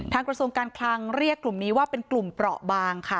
กระทรวงการคลังเรียกกลุ่มนี้ว่าเป็นกลุ่มเปราะบางค่ะ